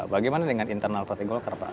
bagaimana dengan internal partai golkar pak